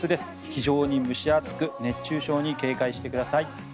非常に蒸し暑く熱中症に警戒してください。